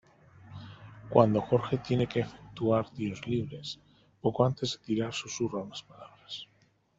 Cuando Jorge tiene que efectuar tiros libres, poco antes de tirar susurra unas palabras.